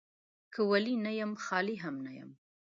که ولي نه يم ، خالي هم نه يم.